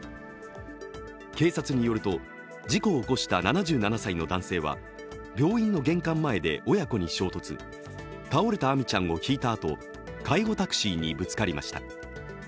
警察によると事故を起こした７７歳の男性は病院の玄関前で親子に衝突、倒れた亜海ちゃんをひいたあと、介護タクシーにぶつかりました。